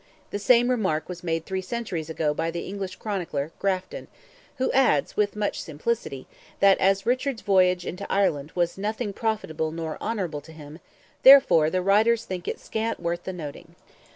The same remark was made three centuries ago by the English chronicler, Grafton, who adds with much simplicity, that as Richard's voyage into Ireland "was nothing profitable nor honourable to him, therefore the writers think it scant worth the noting."